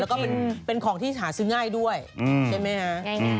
แล้วก็เป็นของที่หาซื้อง่ายด้วยใช่ไหมฮะ